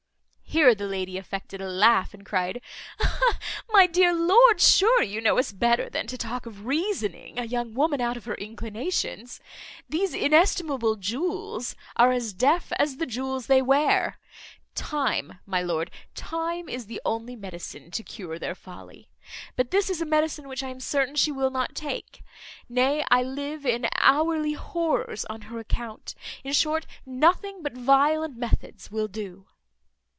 Here the lady affected a laugh, and cried, "My dear lord, sure you know us better than to talk of reasoning a young woman out of her inclinations? These inestimable jewels are as deaf as the jewels they wear: time, my lord, time is the only medicine to cure their folly; but this is a medicine which I am certain she will not take; nay, I live in hourly horrors on her account. In short, nothing but violent methods will do."